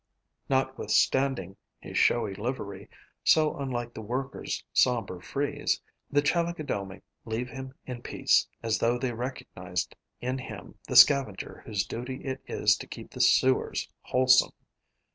Notwithstanding his showy livery, so unlike the workers' sombre frieze, the Chalicodomae leave him in peace, as though they recognized in him the scavenger whose duty it is to keep the sewers wholesome.